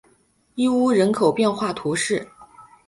伊乌人口变化图示